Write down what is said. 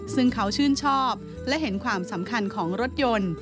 ซึ่งเขาชื่นชอบและเห็นความสำคัญของรถยนต์